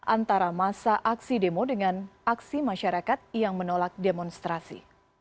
antara masa aksi demo dengan aksi masyarakat yang menolak demonstrasi